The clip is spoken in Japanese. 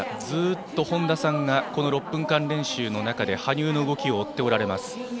ずっと本田さんがこの６分間練習の中で羽生の動きを追っておられます。